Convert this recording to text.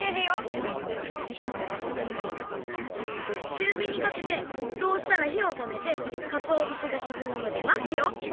ちゅうびにかけてふっとうしたらひをとめてかつおぶしがしずむまでまつよ！